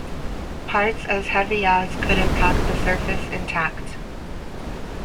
Parts as heavy as could impact the surface intact.